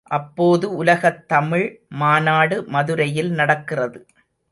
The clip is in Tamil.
அப்போது உலகத் தமிழ் மாநாடு மதுரையில் நடக்கிறது.